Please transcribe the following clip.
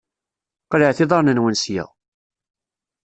Qelɛet iḍaṛṛen-nwen sya!